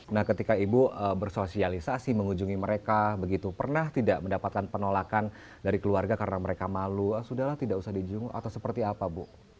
nah ketika ibu bersosialisasi mengunjungi mereka begitu pernah tidak mendapatkan penolakan dari keluarga karena mereka malu sudah lah tidak usah dijung atau seperti apa bu